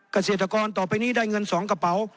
เกษตรกรต่อไปนี้ได้เงิน๒กระเป๋า